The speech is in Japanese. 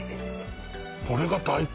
これが大根？